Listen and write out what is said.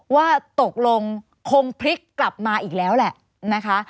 ว่าตกลงคงพลิกกลับมาอีกแล้วแหละนะคะ